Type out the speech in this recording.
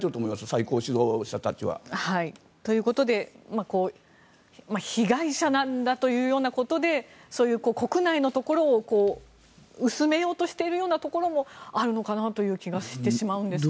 最高指導者たちは。ということで被害者なんだというようなことでそういう国内のところを薄めようとしているようなところもあるのかなという気がしてしまうんですが。